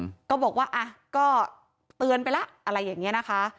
ก็บอกว่าอ่ะก็เตือนไปแล้วอะไรอย่างเงี้ยนะคะ